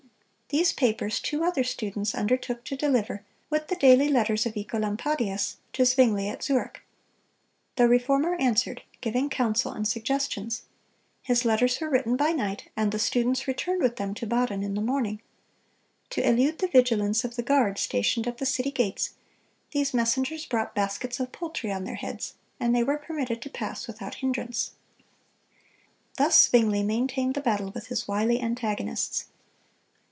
These papers two other students undertook to deliver, with the daily letters of Œcolampadius, to Zwingle at Zurich. The Reformer answered, giving counsel and suggestions. His letters were written by night, and the students returned with them to Baden in the morning. To elude the vigilance of the guard stationed at the city gates, these messengers brought baskets of poultry on their heads, and they were permitted to pass without hindrance. Thus Zwingle maintained the battle with his wily antagonists.